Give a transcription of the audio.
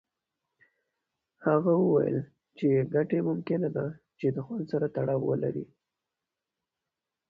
هغه وویل چې ګټې ممکنه ده چې د خوند سره تړاو ولري.